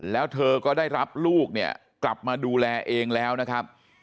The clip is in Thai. แล้วเธอก็ได้รับลูกเนี่ยกลับมาดูแลเองแล้วนะครับ